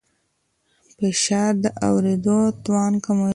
فشار د اورېدو توان کموي.